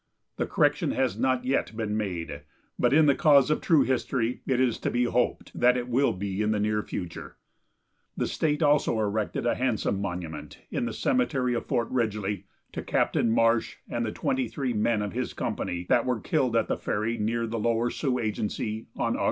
The correction has not yet been made, but in the cause of true history it is to be hoped that it will be in the near future. The state also erected a handsome monument, in the cemetery of Fort Ridgely, to Captain Marsh and the twenty three men of his company that were killed at the ferry, near the Lower Sioux Agency, on Aug.